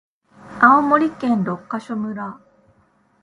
青森県六ヶ所村